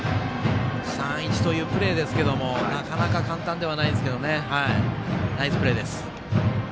３−１というプレーですけどなかなか簡単ではないんですけどねナイスプレーです。